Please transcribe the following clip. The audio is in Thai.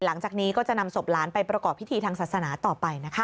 หลังจากนี้ก็จะนำศพหลานไปประกอบพิธีทางศาสนาต่อไปนะคะ